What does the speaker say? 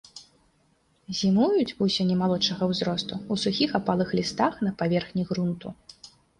Зімуюць вусені малодшага ўзросту ў сухіх апалых лістах на паверхні грунту.